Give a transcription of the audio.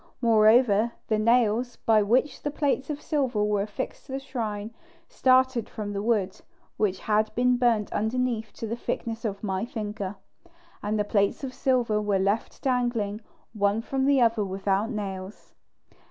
Moreover, the nails by which the plates of silver were affixed to the shrine started from the wood, which had been burnt underneath to the thickness of my finger, and the plates of silver were left dangling one from the other without nails.